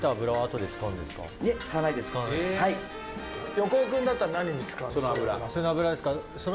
横尾君だったら何に使うの？